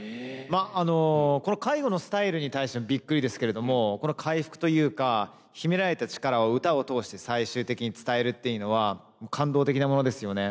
まあこの介護のスタイルに対してびっくりですけれどもこれは回復というか秘められた力を歌を通して最終的に伝えるっていうのは感動的なものですよね。